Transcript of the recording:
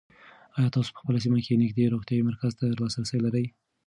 آیا تاسو په خپله سیمه کې نږدې روغتیایي مرکز ته لاسرسی لرئ؟